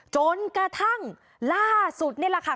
จนกระทั่งล่าสุดนี่แหละค่ะ